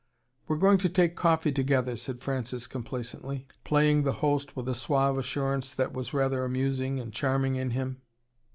"We're going to take coffee together," said Francis complacently, playing the host with a suave assurance that was rather amusing and charming in him.